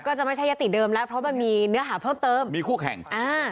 ก็จะไม่ใช่ยติเดิมแล้วเพราะมันมีเนื้อหาเพิ่มเติมมีคู่แข่งอ่า